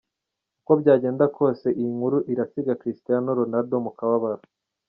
Uko byagenda kose iyi kuru irasiga Cristiano Ronaldo mu kababaro.